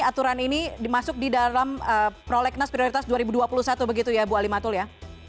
aturan ini dimasuk di dalam prolegnas prioritas dua ribu dua puluh satu begitu ya bu alimatul ya